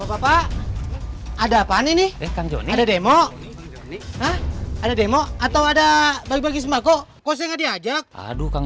ada apaan ini ada demo ada demo atau ada bagi bagi sembako kosnya diajak aduh kang